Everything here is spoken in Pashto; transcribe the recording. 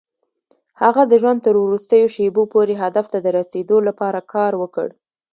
هغه د ژوند تر وروستيو شېبو پورې هدف ته د رسېدو لپاره کار وکړ.